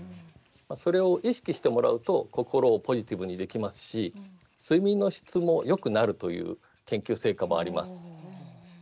それを意識してもらうと心をポジティブにできますし睡眠の質もよくなるという研究成果もあります。